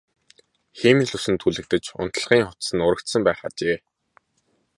Хиймэл үс нь түлэгдэж унтлагын хувцас нь урагдсан байх ажээ.